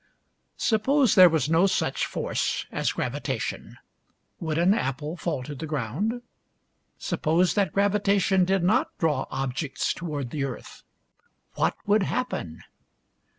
Suppose there was no such force as gravitation, would an apple fall to the ground .'' Suppose that gravitation did not draw objects toward the earth, what would happen